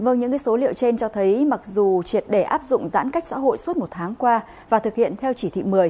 vâng những số liệu trên cho thấy mặc dù triệt để áp dụng giãn cách xã hội suốt một tháng qua và thực hiện theo chỉ thị một mươi